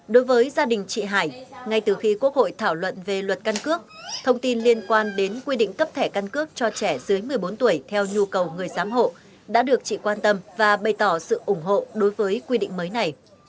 đối với gia đình chị hải ngay từ khi quốc hội thảo luận về luật căn cước thông tin liên quan đến quy định cấp thẻ căn cước cho trẻ dưới một mươi bốn tuổi theo nhu cầu người giám hộ đã được chị quan tâm và bày tỏ sự ủng hộ đối với quy định mới này